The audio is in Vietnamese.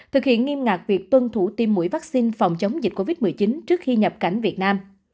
thực hiện nghiêm ngặt việc tuân thủ tiêm mũi vaccine phòng chống dịch covid một mươi chín trước khi nhập cảnh việt nam